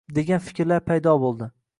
degan fikrlar paydo bo‘ldi.